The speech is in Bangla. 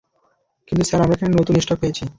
কিন্তু স্যার, আমরা এখানে নতুন স্টক পেয়েছি।